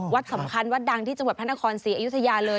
วัดสำคัญวัดดังที่จังหวัดพระนครศรีอยุธยาเลย